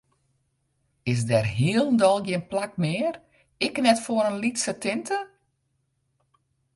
Is der hielendal gjin plak mear, ek net foar in lytse tinte?